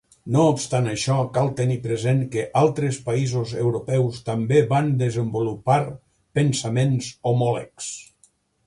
No obstant això, cal tenir present que altres països europeus també van desenvolupar pensaments homòlegs.